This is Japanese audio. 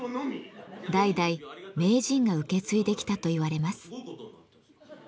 代々名人が受け継いできたと言われます。